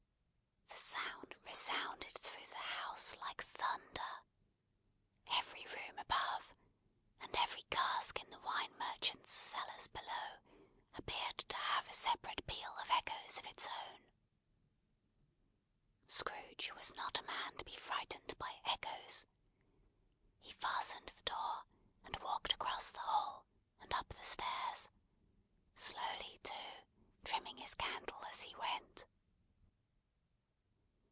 The sound resounded through the house like thunder. Every room above, and every cask in the wine merchant's cellars below, appeared to have a separate peal of echoes of its own. Scrooge was not a man to be frightened by echoes. He fastened the door, and walked across the hall, and up the stairs; slowly too: trimming his candle as he went.